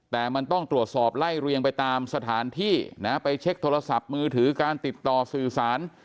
แต่มันต้องตรวจสอบไล่เรียงไปตามสถานที่นะไปเช็คโทรศัพท์มือถือการติดต่อสื่อสาร